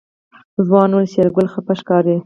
ځوان وويل شېرګل خپه ښکاري.